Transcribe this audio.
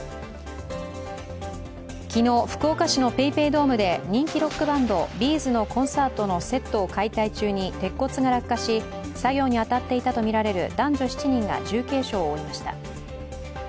昨日、福岡市のＰａｙＰａｙドームで人気ロックバンド、Ｂ’ｚのコンサートのセットを解体中に鉄骨が落下し作業に当たっていたとみられる男女７人が重軽傷を負いました。